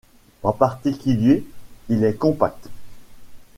En particulier, il est compact.